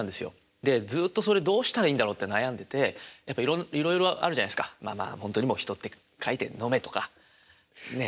でずっとそれどうしたらいいんだろうって悩んでてやっぱいろいろあるじゃないですか「人」って書いて飲めとかねえ。